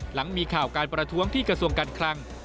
หลังมีข่าวการประท้วงที่กระทรวงการคลัง